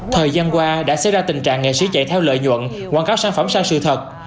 thời gian qua đã xảy ra tình trạng nghệ sĩ chạy theo lợi nhuận quảng cáo sản phẩm sai sự thật